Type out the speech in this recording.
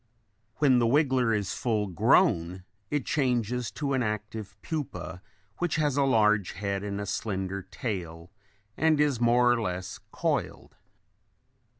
When the wiggler is full grown it changes to an active pupa which has a large head and a slender tail and is more or less coiled.